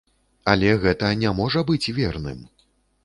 Але гэта не можа быць верным.